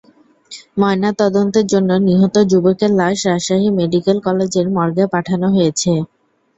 ময়নাতদন্তের জন্য নিহত যুবকের লাশ রাজশাহী মেডিকেল কলেজের মর্গে পাঠানো হয়েছে।